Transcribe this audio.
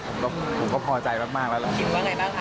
ผมก็พอใจมากแล้วแล้ว